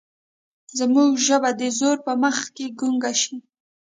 زموږ ژبه د زور په مخ کې ګونګه شي.